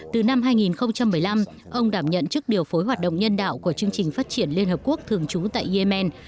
từ năm hai nghìn một mươi năm ông đảm nhận chức điều phối hoạt động nhân đạo của chương trình phát triển liên hợp quốc thường trú tại yemen